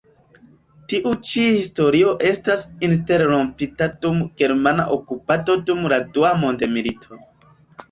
Tiu ĉi historio estas interrompita dum germana okupado dum la Dua mondmilito.